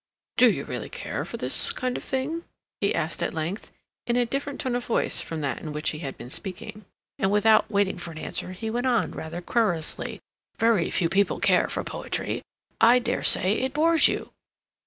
"Do you really care for this kind of thing?" he asked at length, in a different tone of voice from that in which he had been speaking. And, without waiting for an answer, he went on, rather querulously: "Very few people care for poetry. I dare say it bores you."